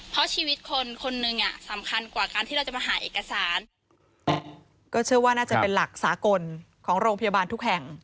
เพราะชีวิตคนคนหนึ่งอ่ะสำคัญกว่าการที่เราจะมาหาเอกสารก็เชื่อว่าน่าจะเป็นหลักสากลของโรงพยาบาลทุกแห่ง